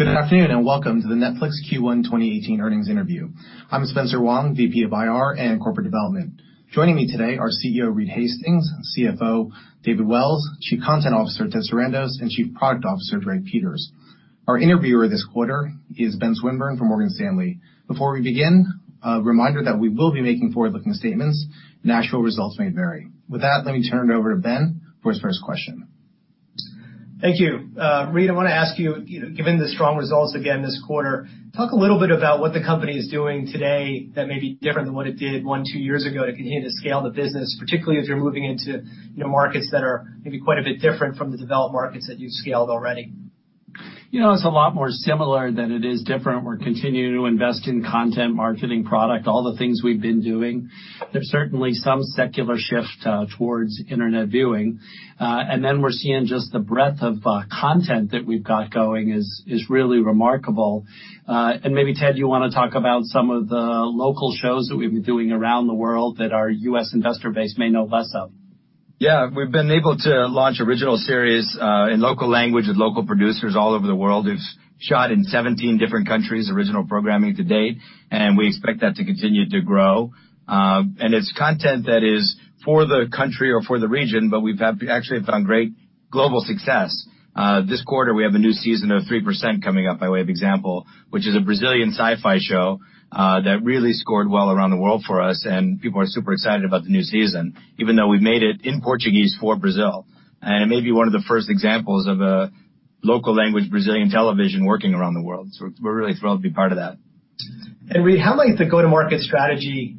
Good afternoon. Welcome to the Netflix Q1 2018 earnings interview. I'm Spencer Wang, VP of IR and Corporate Development. Joining me today are CEO Reed Hastings, CFO David Wells, Chief Content Officer Ted Sarandos, and Chief Product Officer Greg Peters. Our interviewer this quarter is Ben Swinburne from Morgan Stanley. Before we begin, a reminder that we will be making forward-looking statements. Actual results may vary. With that, let me turn it over to Ben for his first question. Thank you. Reed, I want to ask you, given the strong results again this quarter, talk a little bit about what the company is doing today that may be different than what it did one, two years ago to continue to scale the business, particularly as you're moving into markets that are maybe quite a bit different from the developed markets that you've scaled already. It's a lot more similar than it is different. We're continuing to invest in content, marketing, product, all the things we've been doing. There's certainly some secular shift towards internet viewing. Then we're seeing just the breadth of content that we've got going is really remarkable. Maybe, Ted, you want to talk about some of the local shows that we've been doing around the world that our U.S. investor base may know less of. Yeah. We've been able to launch original series in local language with local producers all over the world. We've shot in 17 different countries, original programming to date. We expect that to continue to grow. It's content that is for the country or for the region, but we've actually found great global success. This quarter, we have a new season of "3%" coming up, by way of example, which is a Brazilian sci-fi show that really scored well around the world for us. People are super excited about the new season, even though we made it in Portuguese for Brazil. It may be one of the first examples of a local language Brazilian television working around the world. We're really thrilled to be part of that. Reed, how might the go-to-market strategy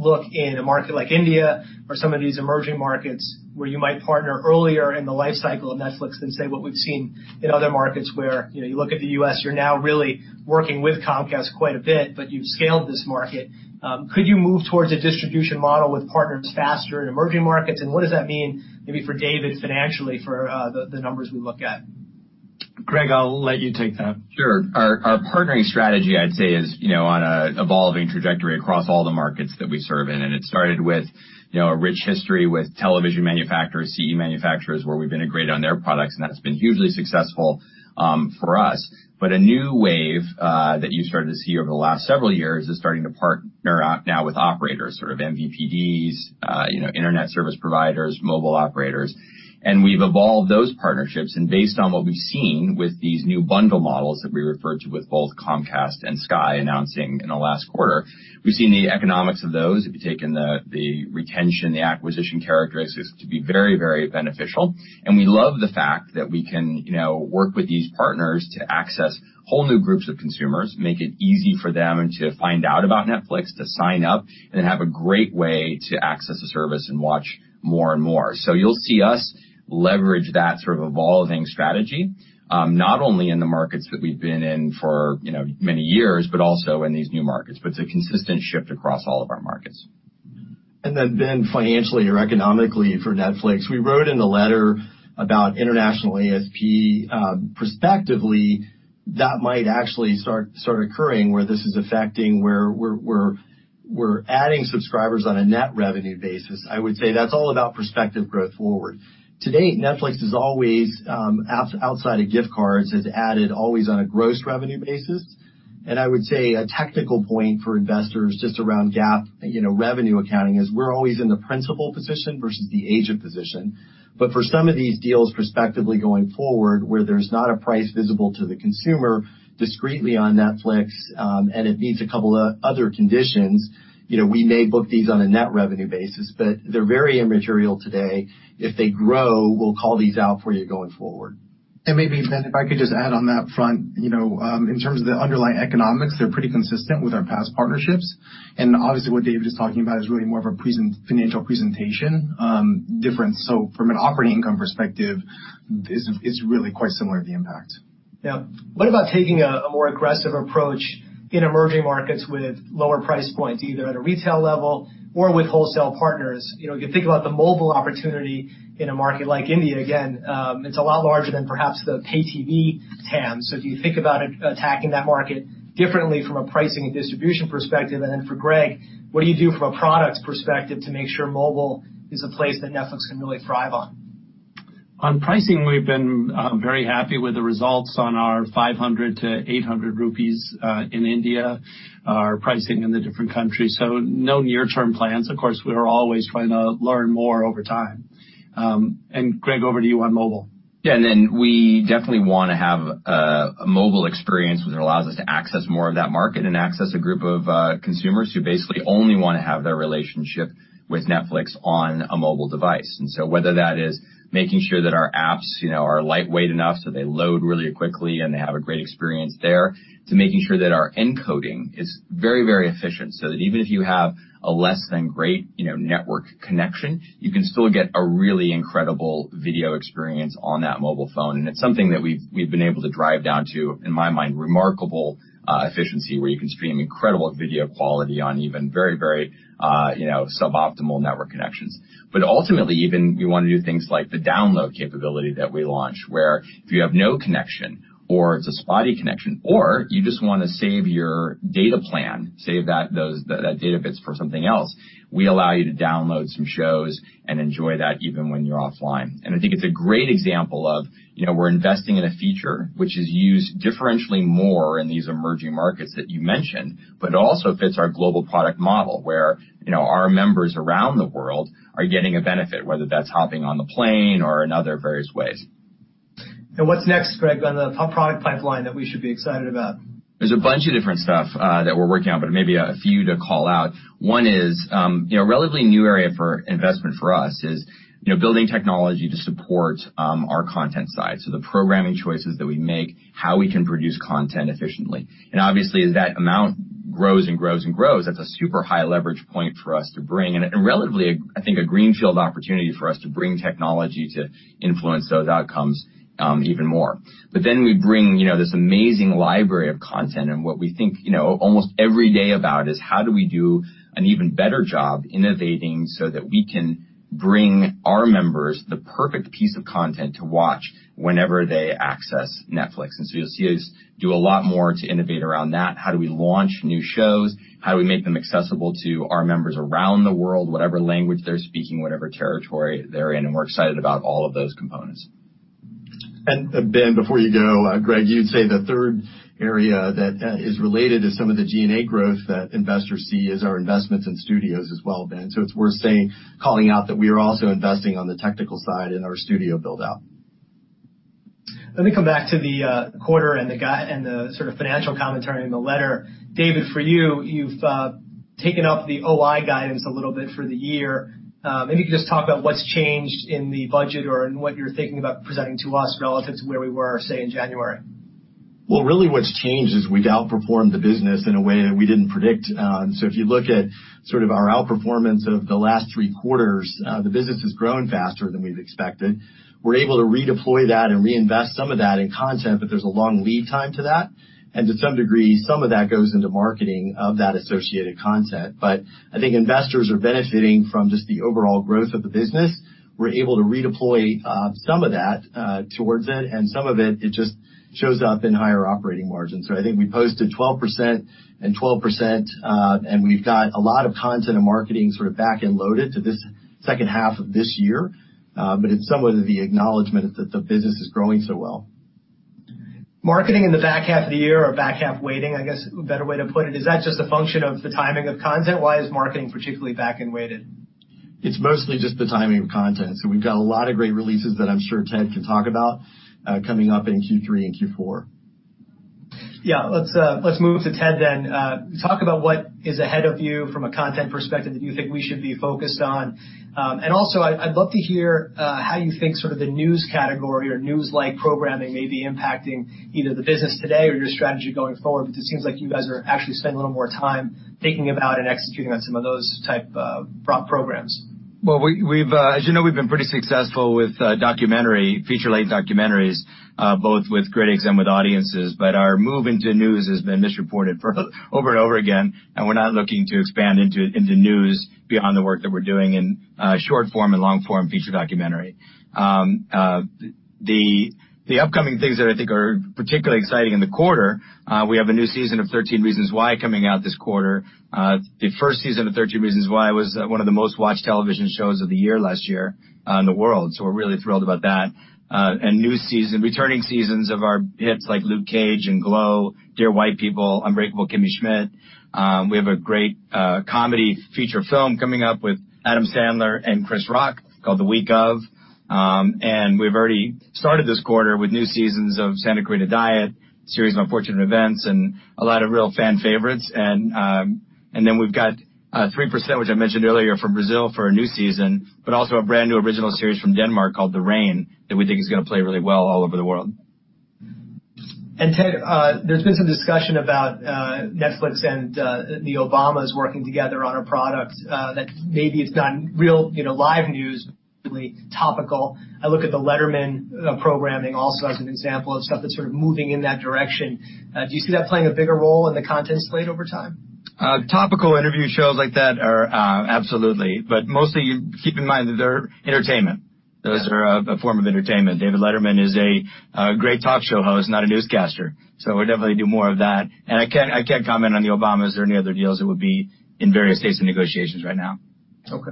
look in a market like India or some of these emerging markets where you might partner earlier in the life cycle of Netflix than, say, what we've seen in other markets where you look at the U.S., you're now really working with Comcast quite a bit, but you've scaled this market. Could you move towards a distribution model with partners faster in emerging markets? What does that mean maybe for David financially for the numbers we look at? Greg, I'll let you take that. Sure. Our partnering strategy, I'd say, is on an evolving trajectory across all the markets that we serve in. It started with a rich history with television manufacturers, CE manufacturers, where we've integrated on their products, and that's been hugely successful for us. A new wave that you started to see over the last several years is starting to partner now with operators, sort of MVPDs, internet service providers, mobile operators. We've evolved those partnerships, and based on what we've seen with these new bundle models that we referred to with both Comcast and Sky announcing in the last quarter, we've seen the economics of those, if you take in the retention, the acquisition characteristics, to be very beneficial. We love the fact that we can work with these partners to access whole new groups of consumers, make it easy for them to find out about Netflix, to sign up, and then have a great way to access the service and watch more and more. You'll see us leverage that sort of evolving strategy, not only in the markets that we've been in for many years, but also in these new markets. It's a consistent shift across all of our markets. Ben, financially or economically for Netflix, we wrote in the letter about international ASP. Prospectively, that might actually start occurring where this is affecting where we're adding subscribers on a net revenue basis. I would say that's all about prospective growth forward. To date, Netflix is always, outside of gift cards, has added always on a gross revenue basis. I would say a technical point for investors just around GAAP revenue accounting is we're always in the principal position versus the agent position. For some of these deals prospectively going forward, where there's not a price visible to the consumer discretely on Netflix, and it meets a couple of other conditions, we may book these on a net revenue basis, but they're very immaterial today. If they grow, we'll call these out for you going forward. Maybe, Ben, if I could just add on that front. In terms of the underlying economics, they're pretty consistent with our past partnerships. Obviously, what David is talking about is really more of a financial presentation difference. From an operating income perspective, it's really quite similar, the impact. What about taking a more aggressive approach in emerging markets with lower price points, either at a retail level or with wholesale partners? If you think about the mobile opportunity in a market like India, again, it's a lot larger than perhaps the pay TV TAM. If you think about attacking that market differently from a pricing and distribution perspective, for Greg, what do you do from a product perspective to make sure mobile is a place that Netflix can really thrive on? On pricing, we've been very happy with the results on our 500 to 800 rupees in India, our pricing in the different countries. No near-term plans. Of course, we are always trying to learn more over time. Greg, over to you on mobile. We definitely want to have a mobile experience that allows us to access more of that market and access a group of consumers who basically only want to have their relationship with Netflix on a mobile device. Whether that is making sure that our apps are lightweight enough so they load really quickly and they have a great experience there, to making sure that our encoding is very efficient so that even if you have a less than great network connection, you can still get a really incredible video experience on that mobile phone. It's something that we've been able to drive down to, in my mind, remarkable efficiency, where you can stream incredible video quality on even very suboptimal network connections. Ultimately, even we want to do things like the download capability that we launched, where if you have no connection or it's a spotty connection, or you just want to save your data plan, save that data bits for something else, we allow you to download some shows and enjoy that even when you're offline. I think it's a great example of we're investing in a feature which is used differentially more in these emerging markets that you mentioned, but it also fits our global product model, where our members around the world are getting a benefit, whether that's hopping on the plane or in other various ways. What's next, Greg, on the product pipeline that we should be excited about? There's a bunch of different stuff that we're working on, but maybe a few to call out. One is, a relatively new area for investment for us is building technology to support our content side. The programming choices that we make, how we can produce content efficiently. Obviously, as that amount grows and grows and grows, that's a super high leverage point for us to bring, and relatively, I think, a greenfield opportunity for us to bring technology to influence those outcomes even more. We bring this amazing library of content, and what we think almost every day about is how do we do an even better job innovating so that we can bring our members the perfect piece of content to watch whenever they access Netflix. You'll see us do a lot more to innovate around that. How do we launch new shows? How do we make them accessible to our members around the world, whatever language they're speaking, whatever territory they're in? We're excited about all of those components. Ben, before you go, Greg, you'd say the third area that is related to some of the G&A growth that investors see is our investments in studios as well, Ben. It's worth saying, calling out that we are also investing on the technical side in our studio build-out. Let me come back to the quarter and the sort of financial commentary in the letter. David, for you've taken up the OI guidance a little bit for the year. Maybe you could just talk about what's changed in the budget or in what you're thinking about presenting to us relative to where we were, say, in January. Well, really what's changed is we've outperformed the business in a way that we didn't predict. If you look at sort of our outperformance of the last three quarters, the business has grown faster than we've expected. We're able to redeploy that and reinvest some of that in content, but there's a long lead time to that. To some degree, some of that goes into marketing of that associated content. I think investors are benefiting from just the overall growth of the business. We're able to redeploy some of that towards it, and some of it just shows up in higher operating margins. I think we posted 12% and 12%, and we've got a lot of content and marketing sort of back end loaded to this second half of this year. It's somewhat of the acknowledgement that the business is growing so well. Marketing in the back half of the year or back-half weighting, I guess, a better way to put it, is that just a function of the timing of content? Why is marketing particularly back end weighted? It's mostly just the timing of content. We've got a lot of great releases that I'm sure Ted can talk about coming up in Q3 and Q4. Yeah. Let's move to Ted then. Talk about what is ahead of you from a content perspective that you think we should be focused on. Also, I'd love to hear how you think sort of the news category or news-like programming may be impacting either the business today or your strategy going forward, because it seems like you guys are actually spending a little more time thinking about and executing on some of those type of programs. Well, as you know, we've been pretty successful with feature-length documentaries both with critics and with audiences. Our move into news has been misreported over and over again, and we're not looking to expand into news beyond the work that we're doing in short form and long form feature documentary. The upcoming things that I think are particularly exciting in the quarter, we have a new season of "13 Reasons Why" coming out this quarter. The first season of "13 Reasons Why" was one of the most watched television shows of the year last year in the world. We're really thrilled about that. New season, returning seasons of our hits like "Luke Cage" and "GLOW," "Dear White People," "Unbreakable Kimmy Schmidt." We have a great comedy feature film coming up with Adam Sandler and Chris Rock called "The Week Of," and we've already started this quarter with new seasons of "Santa Clarita Diet," "Series of Unfortunate Events," and a lot of real fan favorites. Then we've got "3%" which I mentioned earlier from Brazil for a new season, but also a brand-new original series from Denmark called "The Rain" that we think is going to play really well all over the world. Ted, there's been some discussion about Netflix and the Obamas working together on a product that maybe it's gotten real live news, really topical. I look at the Letterman programming also as an example of stuff that's sort of moving in that direction. Do you see that playing a bigger role in the content slate over time? Topical interview shows like that are absolutely. Mostly, you keep in mind that they're entertainment. Those are a form of entertainment. David Letterman is a great talk show host, not a newscaster. We'll definitely do more of that. I can't comment on the Obamas or any other deals that would be in various states of negotiations right now. Okay.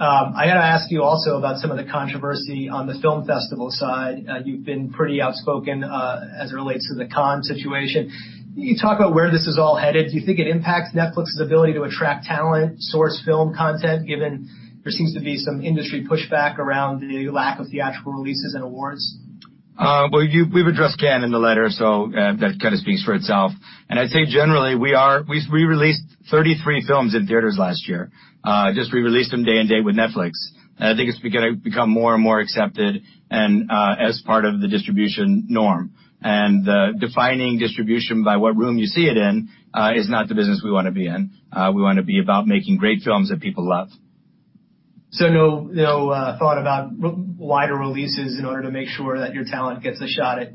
I got to ask you also about some of the controversy on the film festival side. You've been pretty outspoken as it relates to the Cannes situation. Can you talk about where this is all headed? Do you think it impacts Netflix's ability to attract talent, source film content, given there seems to be some industry pushback around the lack of theatrical releases and awards? Well, we've addressed Cannes in the letter, that kind of speaks for itself. I'd say generally, we released 33 films in theaters last year. Just re-released them day and date with Netflix. I think it's become more and more accepted as part of the distribution norm. Defining distribution by what room you see it in is not the business we want to be in. We want to be about making great films that people love. no thought about wider releases in order to make sure that your talent gets a shot at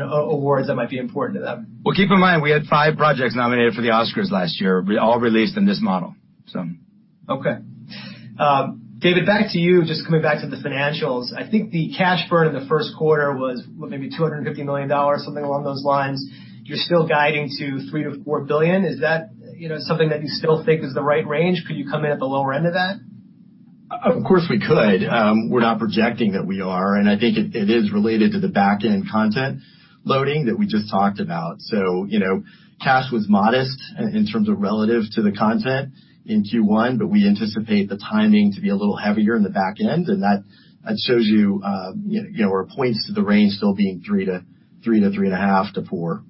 awards that might be important to them? keep in mind, we had five projects nominated for the Oscars last year, all released in this model, so Okay. David, back to you, just coming back to the financials. I think the cash burn in the first quarter was maybe $250 million, something along those lines. You're still guiding to $3 billion-$4 billion. Is that something that you still think is the right range? Could you come in at the lower end of that? Of course, we could. We're not projecting that we are, and I think it is related to the back end content loading that we just talked about. cash was modest in terms of relative to the content in Q1, but we anticipate the timing to be a little heavier in the back end, and that shows you or points to the range still being $3 billion to three and a half billion to $4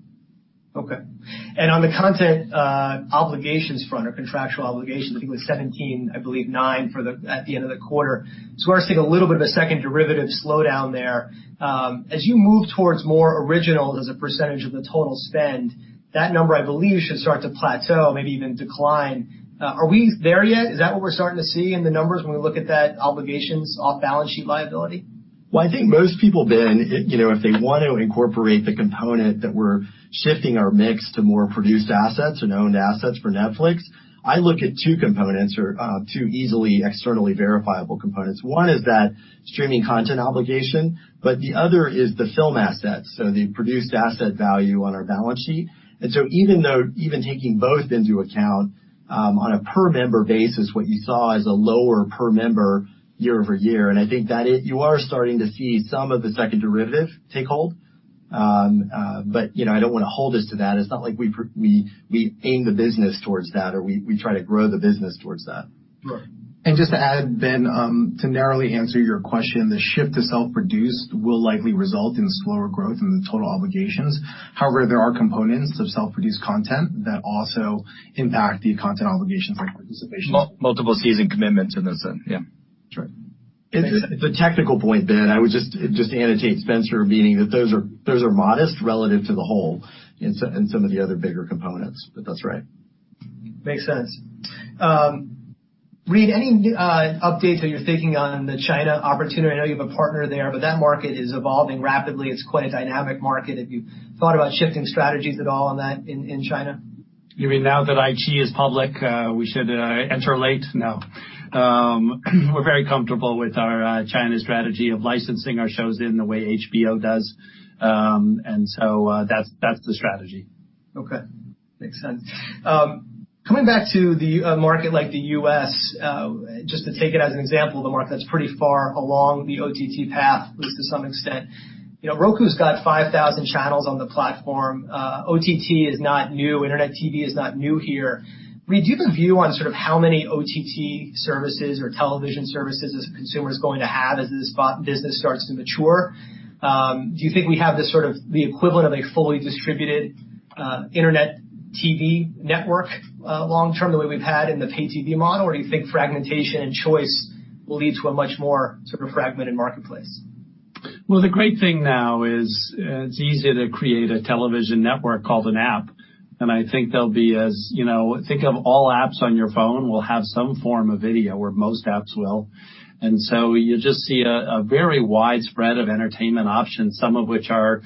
billion. On the content obligations front or contractual obligations, I think it was (17, I believe nine) at the end of the quarter. We're seeing a little bit of a second derivative slowdown there. As you move towards more originals as a percentage of the total spend, that number, I believe, should start to plateau, maybe even decline. Are we there yet? Is that what we're starting to see in the numbers when we look at that obligations off-balance sheet liability? Well, I think most people, Ben, if they want to incorporate the component that we're shifting our mix to more produced assets and owned assets for Netflix, I look at two components or two easily externally verifiable components. One is that streaming content obligation, the other is the film assets, so the produced asset value on our balance sheet. Even taking both into account, on a per member basis, what you saw is a lower per member year-over-year, and I think that you are starting to see some of the second derivative take hold. I don't want to hold us to that. It's not like we aim the business towards that, or we try to grow the business towards that. Right. Just to add, Ben, to narrowly answer your question, the shift to self-produced will likely result in slower growth in the total obligations. However, there are components of self-produced content that also impact the content obligations like participations. Multiple season commitments in this then. Yeah. That's right. It's a technical point, Ben. I would just annotate Spencer, meaning that those are modest relative to the whole in some of the other bigger components, but that's right. Makes sense. Reed, any updates that you're thinking on the China opportunity? I know you have a partner there, but that market is evolving rapidly. It's quite a dynamic market. Have you thought about shifting strategies at all on that in China? You mean now that iQIYI is public, we should enter late? No. We're very comfortable with our China strategy of licensing our shows in the way HBO does. That's the strategy. Okay. Makes sense. Coming back to the market like the U.S., just to take it as an example of a market that's pretty far along the OTT path, at least to some extent. Roku's got 5,000 channels on the platform. OTT is not new. Internet TV is not new here. Reed, do you have a view on how many OTT services or television services is consumers going to have as this business starts to mature? Do you think we have the equivalent of a fully distributed internet TV network long term, the way we've had in the pay TV model? Or do you think fragmentation and choice will lead to a much more fragmented marketplace? The great thing now is it's easier to create a television network called an app, I think they'll be as think of all apps on your phone will have some form of video or most apps will. You just see a very wide spread of entertainment options, some of which are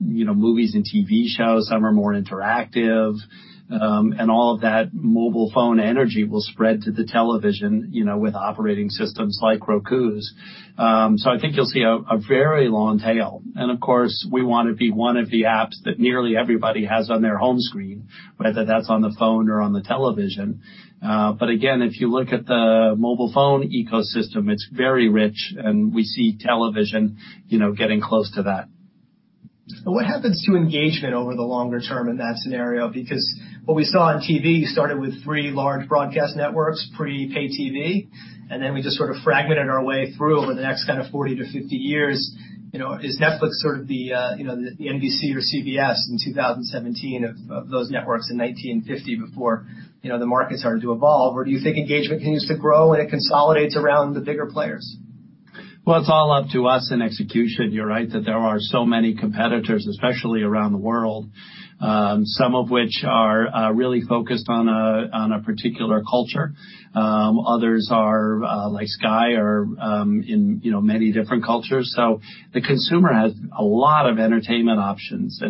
movies and TV shows, some are more interactive. All of that mobile phone energy will spread to the television with operating systems like Roku's. I think you'll see a very long tail. Of course, we want to be one of the apps that nearly everybody has on their home screen, whether that's on the phone or on the television. Again, if you look at the mobile phone ecosystem, it's very rich, and we see television getting close to that. What happens to engagement over the longer term in that scenario? Because what we saw on TV started with three large broadcast networks, pre-paid TV, we just sort of fragmented our way through over the next kind of 40 to 50 years. Is Netflix sort of the NBC or CBS in 2017 of those networks in 1950 before the market started to evolve? Or do you think engagement continues to grow and it consolidates around the bigger players? It's all up to us in execution. You're right that there are so many competitors, especially around the world, some of which are really focused on a particular culture. Others are like Sky, are in many different cultures. The consumer has a lot of entertainment options.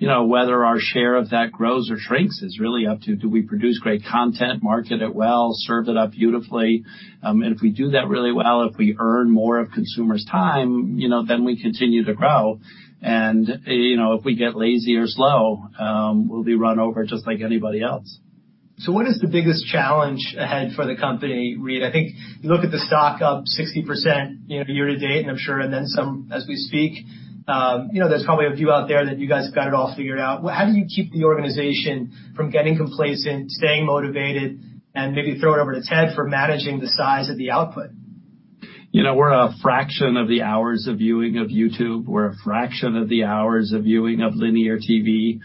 Whether our share of that grows or shrinks is really up to do we produce great content, market it well, serve it up beautifully. If we do that really well, if we earn more of consumers' time, we continue to grow. If we get lazy or slow, we'll be run over just like anybody else. What is the biggest challenge ahead for the company, Reed? I think you look at the stock up 60% year to date, and I'm sure and then some as we speak. There's probably a view out there that you guys have got it all figured out. How do you keep the organization from getting complacent, staying motivated, and maybe throw it over to Ted for managing the size of the output? We're a fraction of the hours of viewing of YouTube. We're a fraction of the hours of viewing of linear TV.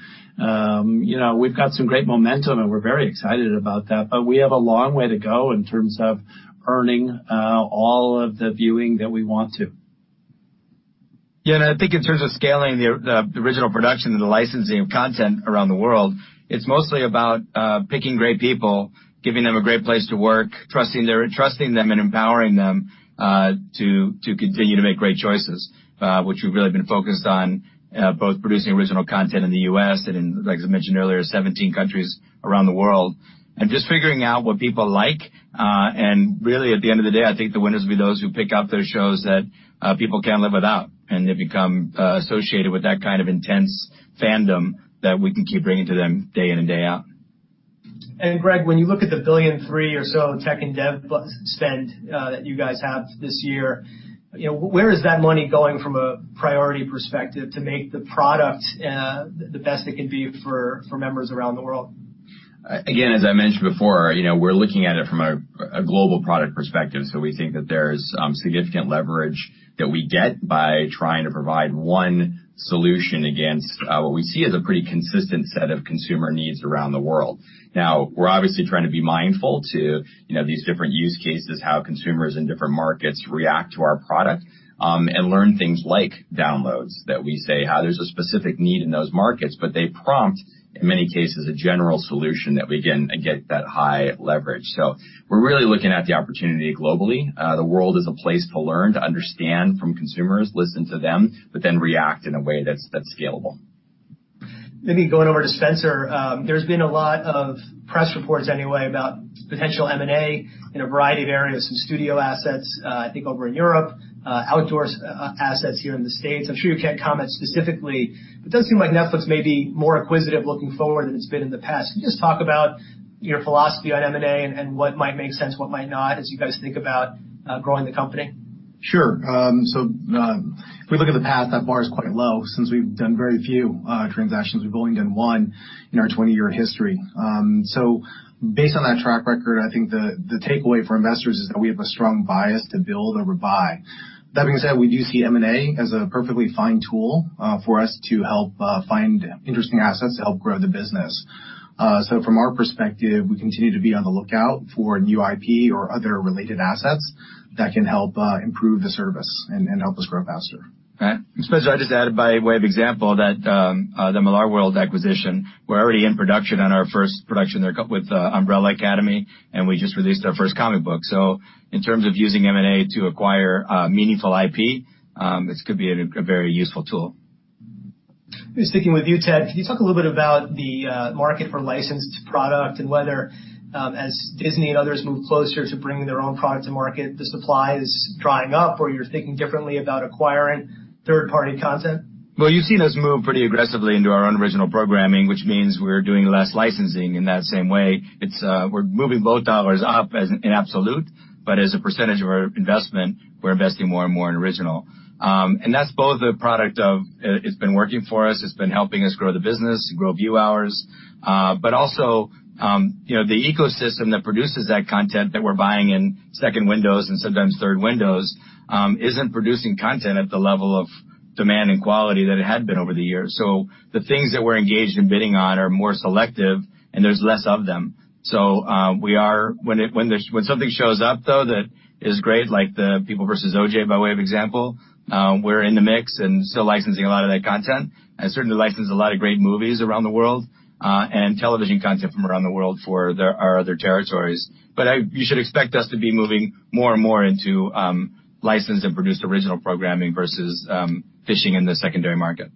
We've got some great momentum, and we're very excited about that, but we have a long way to go in terms of earning all of the viewing that we want to. I think in terms of scaling the original production and the licensing of content around the world, it's mostly about picking great people, giving them a great place to work, trusting them and empowering them to continue to make great choices, which we've really been focused on, both producing original content in the U.S. and in, like as I mentioned earlier, 17 countries around the world. Just figuring out what people like. Really, at the end of the day, I think the winners will be those who pick out those shows that people can't live without, and they become associated with that kind of intense fandom that we can keep bringing to them day in and day out. Greg, when you look at the $1.3 billion or so tech and dev spend that you guys have this year, where is that money going from a priority perspective to make the product the best it can be for members around the world? As I mentioned before, we're looking at it from a global product perspective. We think that there's significant leverage that we get by trying to provide one solution against what we see as a pretty consistent set of consumer needs around the world. Now, we're obviously trying to be mindful to these different use cases, how consumers in different markets react to our product, and learn things like downloads that we say, there's a specific need in those markets, but they prompt, in many cases, a general solution that we, again, get that high leverage. We're really looking at the opportunity globally. The world is a place to learn, to understand from consumers, listen to them, but react in a way that's scalable. Maybe going over to Spencer, there's been a lot of press reports anyway about potential M&A in a variety of areas, some studio assets, I think over in Europe, outdoor assets here in the U.S. I'm sure you can't comment specifically, but it does seem like Netflix may be more inquisitive looking forward than it's been in the past. Can you just talk about your philosophy on M&A and what might make sense, what might not, as you guys think about growing the company? Sure. If we look at the past, that bar is quite low since we've done very few transactions. We've only done one in our 20-year history. Based on that track record, I think the takeaway for investors is that we have a strong bias to build over buy. That being said, we do see M&A as a perfectly fine tool for us to help find interesting assets to help grow the business. From our perspective, we continue to be on the lookout for new IP or other related assets that can help improve the service and help us grow faster. Spencer, I'd just add by way of example that the Millarworld acquisition, we're already in production on our first production there with "The Umbrella Academy," and we just released our first comic book. In terms of using M&A to acquire meaningful IP, this could be a very useful tool. Sticking with you, Ted, can you talk a little bit about the market for licensed product and whether, as Disney and others move closer to bringing their own product to market, the supply is drying up or you're thinking differently about acquiring third-party content? Well, you've seen us move pretty aggressively into our own original programming, which means we're doing less licensing in that same way. We're moving both dollars up as an absolute, but as a percentage of our investment, we're investing more and more in original. That's both a product of it's been working for us, it's been helping us grow the business, grow view hours. Also, the ecosystem that produces that content that we're buying in second windows and sometimes third windows isn't producing content at the level of demand and quality that it had been over the years. The things that we're engaged in bidding on are more selective, and there's less of them. When something shows up, though, that is great, like The People v. O.J., by way of example, we're in the mix and still licensing a lot of that content, and certainly license a lot of great movies around the world, and television content from around the world for our other territories. You should expect us to be moving more and more into licensed and produced original programming versus fishing in the secondary market.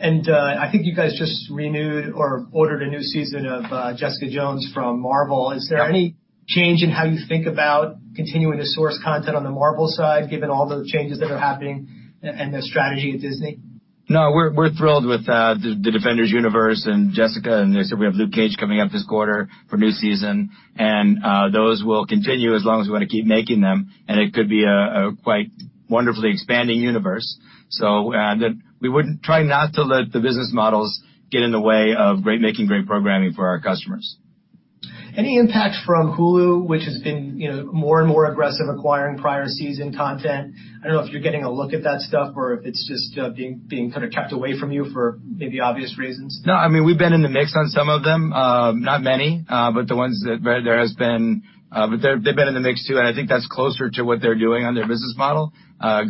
I think you guys just renewed or ordered a new season of Jessica Jones from Marvel. Is there any change in how you think about continuing to source content on the Marvel side, given all the changes that are happening and the strategy at Disney? We're thrilled with The Defenders universe and Jessica Jones. As I said, we have Luke Cage coming up this quarter for a new season. Those will continue as long as we want to keep making them. It could be a quite wonderfully expanding universe. We would try not to let the business models get in the way of making great programming for our customers. Any impact from Hulu, which has been more and more aggressive acquiring prior season content? I don't know if you're getting a look at that stuff or if it's just being kept away from you for maybe obvious reasons. We've been in the mix on some of them. Not many, but they've been in the mix too. I think that's closer to what they're doing on their business model,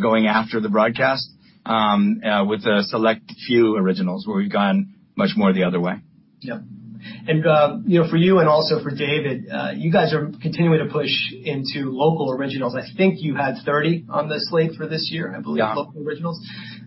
going after the broadcast with a select few originals, where we've gone much more the other way. For you and also for David, you guys are continuing to push into local originals. I think you had 30 on the slate for this year, I believe. Yeah local originals.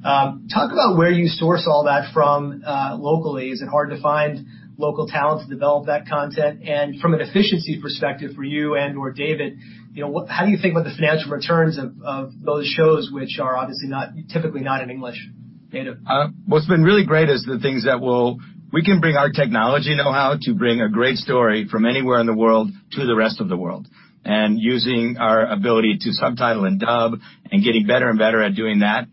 Talk about where you source all that from locally. Is it hard to find local talent to develop that content? From an efficiency perspective for you and/or David, how do you think about the financial returns of those shows, which are obviously typically not in English? David. What's been really great is the things that we can bring our technology know-how to bring a great story from anywhere in the world to the rest of the world. Using our ability to subtitle and dub and getting better and better at doing that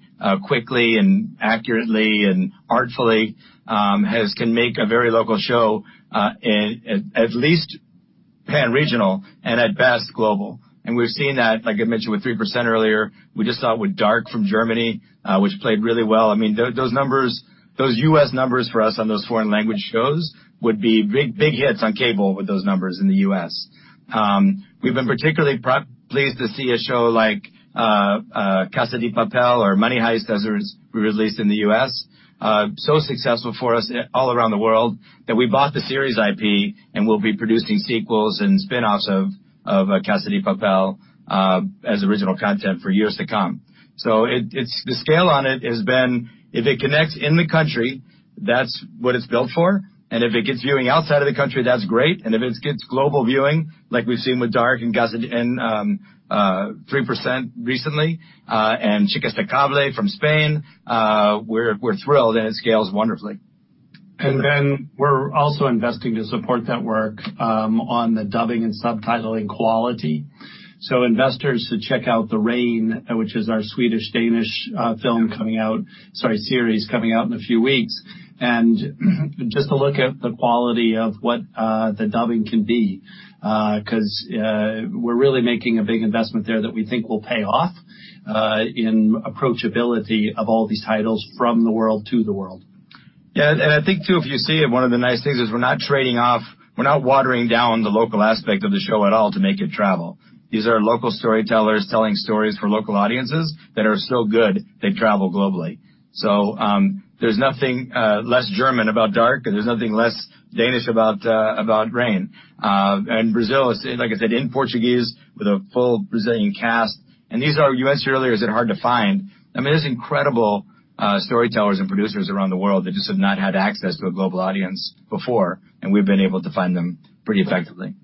quickly and accurately and artfully can make a very local show at least pan-regional and at best global. We've seen that, like I mentioned with "3%" earlier. We just saw it with "Dark" from Germany, which played really well. Those U.S. numbers for us on those foreign language shows would be big hits on cable with those numbers in the U.S. We've been particularly pleased to see a show like "La Casa de Papel" or "Money Heist," as it was released in the U.S. Successful for us all around the world that we bought the series IP and we'll be producing sequels and spin-offs of "La Casa de Papel" as original content for years to come. The scale on it has been if it connects in the country, that's what it's built for. If it gets viewing outside of the country, that's great. If it gets global viewing, like we've seen with "Dark" and "3%" recently, and "Chicas Pesadas" from Spain, we're thrilled, and it scales wonderfully. We're also investing to support that work on the dubbing and subtitling quality. Investors should check out "The Rain," which is our Swedish-Danish film coming out, sorry, series coming out in a few weeks, and just to look at the quality of what the dubbing can be, because we're really making a big investment there that we think will pay off in approachability of all these titles from the world to the world. Yeah, I think, too, if you see it, one of the nice things is we're not trading off. We're not watering down the local aspect of the show at all to make it travel. These are local storytellers telling stories for local audiences that are so good they travel globally. There's nothing less German about Dark, and there's nothing less Danish about Rain. Brazil is, like I said, in Portuguese with a full Brazilian cast, and these are, you asked earlier, is it hard to find? I mean, there's incredible storytellers and producers around the world that just have not had access to a global audience before, and we've been able to find them pretty effectively.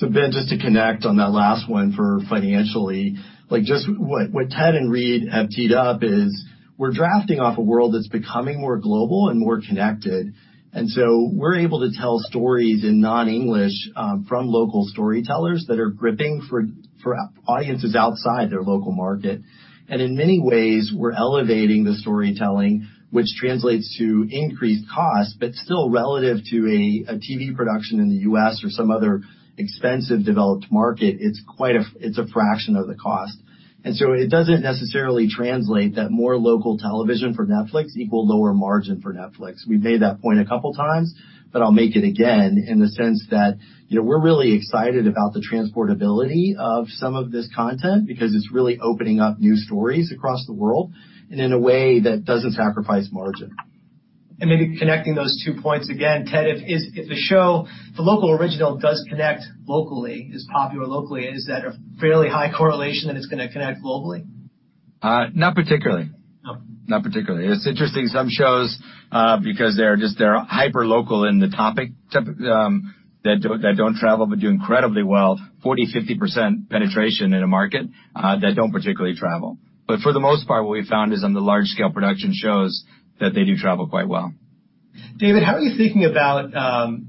Ben, just to connect on that last one for financially, just what Ted and Reed have teed up is we're drafting off a world that's becoming more global and more connected, and we're able to tell stories in non-English from local storytellers that are gripping for audiences outside their local market. In many ways, we're elevating the storytelling, which translates to increased cost, but still relative to a TV production in the U.S. or some other expensive developed market, it's a fraction of the cost. It doesn't necessarily translate that more local television for Netflix equal lower margin for Netflix. We've made that point a couple of times, but I'll make it again in the sense that we're really excited about the transportability of some of this content because it's really opening up new stories across the world and in a way that doesn't sacrifice margin. Maybe connecting those two points again, Ted, if the show, if a local original does connect locally, is popular locally, is that a fairly high correlation that it's going to connect globally? Not particularly. No. Not particularly. It's interesting, some shows because they're hyper local in the topic that don't travel but do incredibly well, 40, 50% penetration in a market that don't particularly travel. For the most part, what we've found is on the large-scale production shows that they do travel quite well. David, how are you thinking about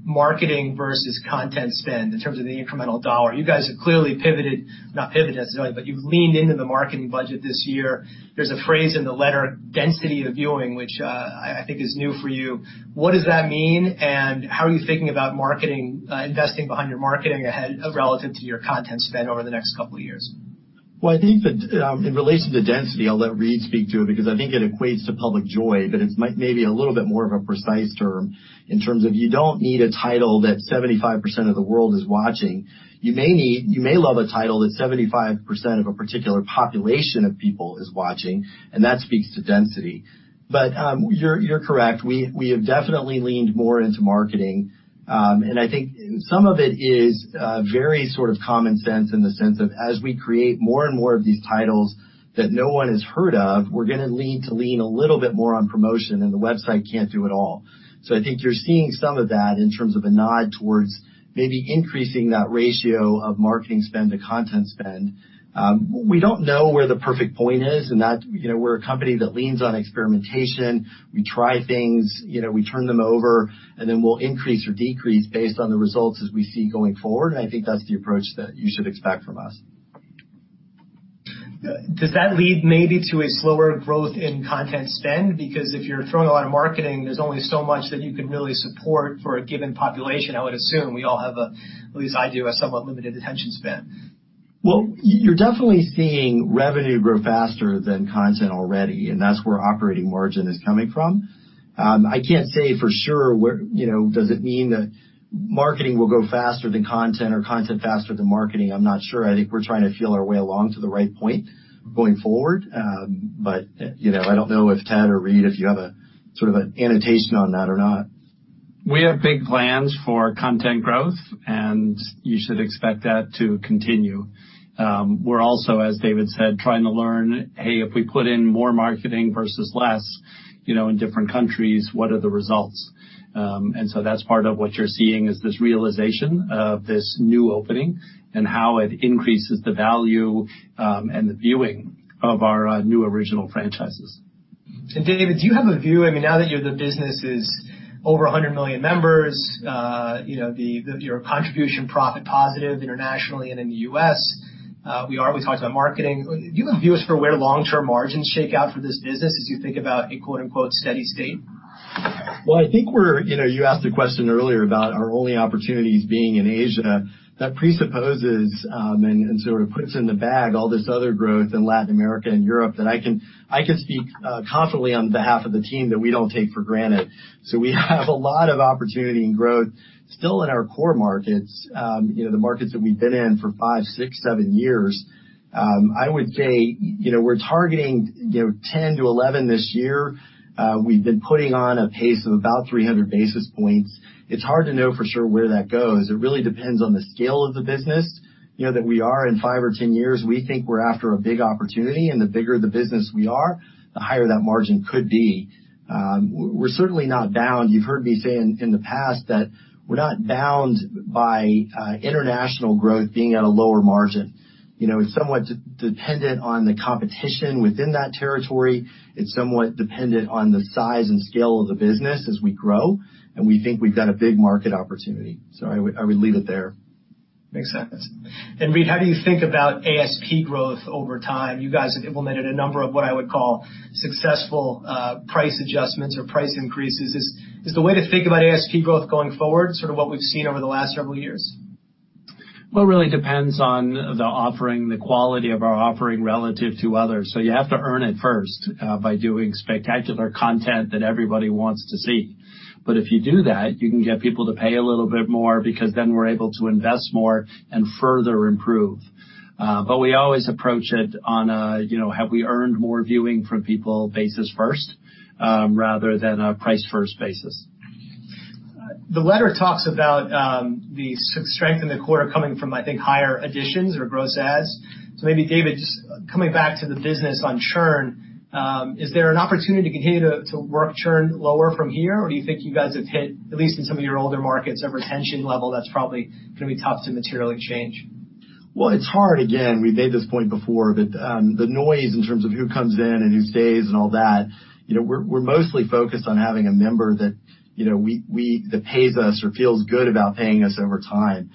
marketing versus content spend in terms of the incremental dollar? You guys have clearly not pivoted necessarily, but you've leaned into the marketing budget this year. There's a phrase in the letter, density of viewing, which I think is new for you. What does that mean, and how are you thinking about marketing, investing behind your marketing ahead relative to your content spend over the next couple of years? I think that in relation to density, I'll let Reed speak to it because I think it equates to public joy, but it's maybe a little bit more of a precise term in terms of you don't need a title that 75% of the world is watching. You may love a title that 75% of a particular population of people is watching, and that speaks to density. You're correct. We have definitely leaned more into marketing. I think some of it is very sort of common sense in the sense of as we create more and more of these titles that no one has heard of, we're going to need to lean a little bit more on promotion, and the website can't do it all. I think you're seeing some of that in terms of a nod towards maybe increasing that ratio of marketing spend to content spend. We don't know where the perfect point is. We're a company that leans on experimentation. We try things, we turn them over. Then we'll increase or decrease based on the results as we see going forward. I think that's the approach that you should expect from us. Does that lead maybe to a slower growth in content spend? If you're throwing a lot of marketing, there's only so much that you can really support for a given population, I would assume. We all have, at least I do, a somewhat limited attention span. You're definitely seeing revenue grow faster than content already. That's where operating margin is coming from. I can't say for sure does it mean that marketing will go faster than content or content faster than marketing? I'm not sure. I think we're trying to feel our way along to the right point going forward. I don't know if Ted or Reed, if you have a sort of an annotation on that or not. We have big plans for content growth. You should expect that to continue. We're also, as David said, trying to learn, hey, if we put in more marketing versus less in different countries, what are the results? That's part of what you're seeing is this realization of this new opening and how it increases the value and the viewing of our new original franchises. David, do you have a view, now that the business is over 100 million members, you're contribution profit positive internationally and in the U.S., we always talked about marketing. Do you have views for where long-term margins shake out for this business as you think about a quote-unquote "steady state? Well, I think you asked a question earlier about our only opportunities being in Asia. That presupposes and sort of puts in the bag all this other growth in Latin America and Europe that I can speak confidently on behalf of the team that we don't take for granted. We have a lot of opportunity and growth still in our core markets, the markets that we've been in for five, six, seven years. I would say we're targeting 10 to 11 this year. We've been putting on a pace of about 300 basis points. It's hard to know for sure where that goes. It really depends on the scale of the business that we are in five or 10 years. We think we're after a big opportunity, and the bigger the business we are, the higher that margin could be. We're certainly not bound. You've heard me say in the past that we're not bound by international growth being at a lower margin. It's somewhat dependent on the competition within that territory. It's somewhat dependent on the size and scale of the business as we grow, and we think we've got a big market opportunity. I would leave it there. Makes sense. Reed, how do you think about ASP growth over time? You guys have implemented a number of what I would call successful price adjustments or price increases. Is the way to think about ASP growth going forward sort of what we've seen over the last several years? Well, it really depends on the offering, the quality of our offering relative to others. You have to earn it first by doing spectacular content that everybody wants to see. If you do that, you can get people to pay a little bit more because then we're able to invest more and further improve. We always approach it on a, have we earned more viewing from people basis first, rather than a price first basis. The letter talks about the strength in the quarter coming from, I think, higher additions or gross adds. Maybe David, just coming back to the business on churn, is there an opportunity here to work churn lower from here, or do you think you guys have hit, at least in some of your older markets, a retention level that's probably going to be tough to materially change? Well, it's hard. Again, we've made this point before, the noise in terms of who comes in and who stays and all that, we're mostly focused on having a member that pays us or feels good about paying us over time.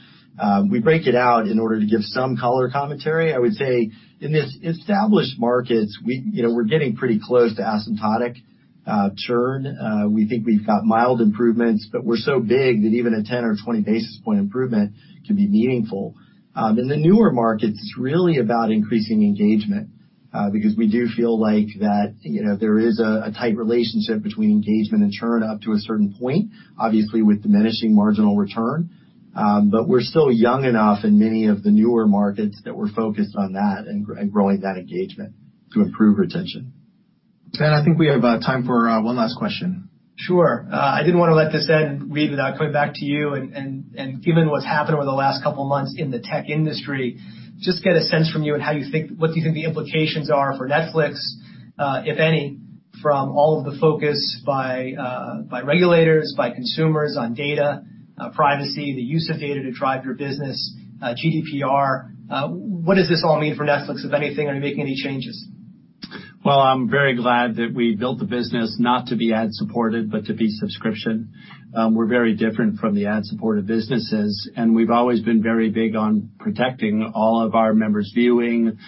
We break it out in order to give some color commentary. I would say in the established markets, we're getting pretty close to asymptotic churn. We think we've got mild improvements, but we're so big that even a 10 or 20 basis point improvement can be meaningful. In the newer markets, it's really about increasing engagement, because we do feel like that there is a tight relationship between engagement and churn up to a certain point, obviously with diminishing marginal return. We're still young enough in many of the newer markets that we're focused on that and growing that engagement to improve retention. Ben, I think we have time for one last question. Sure. I didn't want to let this end, Reed, without coming back to you and given what's happened over the last couple of months in the tech industry, just get a sense from you on what you think the implications are for Netflix, if any, from all of the focus by regulators, by consumers on data privacy, the use of data to drive your business, GDPR. What does this all mean for Netflix, if anything? Are you making any changes? Well, I'm very glad that we built the business not to be ad-supported, but to be subscription. We're very different from the ad-supported businesses, and we've always been very big on protecting all of our members' viewing.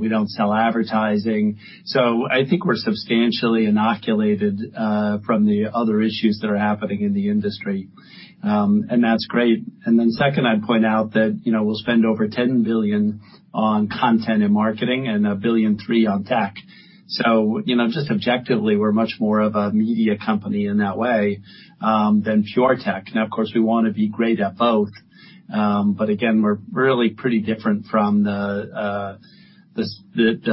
We don't sell advertising. I think we're substantially inoculated from the other issues that are happening in the industry. That's great. Second, I'd point out that we'll spend over $10 billion on content and marketing and $1.3 billion on tech. Just objectively, we're much more of a media company in that way than pure tech. Now, of course, we want to be great at both. Again, we're really pretty different from the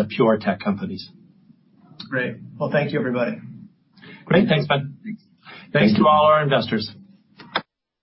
pure tech companies. Great. Well, thank you everybody. Great. Thanks, Ben. Thanks. Thanks to all our investors.